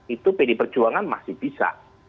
itu pdi perjuangan masih bisa